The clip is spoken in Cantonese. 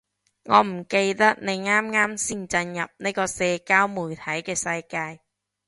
我唔記得你啱啱先進入呢個社交媒體嘅世界